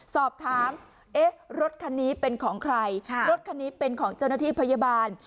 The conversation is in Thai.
สอบถามเอ๊ะรถคันนี้เป็นของใครรถคันนี้เป็นของเจ้าหน้าที่พยาบาล